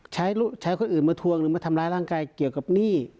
ใช้คนอื่นมาทวงหรือมาทำร้ายร่างกายเกี่ยวกับหนี้